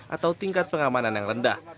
atau tingkat pengamanan yang rendah